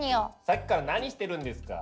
さっきから何してるんですか？